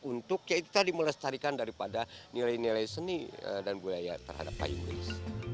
untuk kita dimelestarikan daripada nilai nilai seni dan budaya terhadap payung gelis